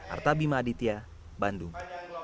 artabima aditya bandung